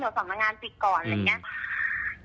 สำนักงานปิดก่อนอะไรอย่างนี้